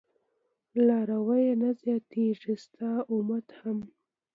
لارويه نه زياتېږي ستا امت هم